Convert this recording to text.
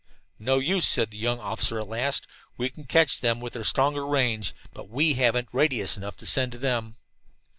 "No use," said the young officer at last. "We can catch them, with their stronger range, but we haven't radius enough to send to them."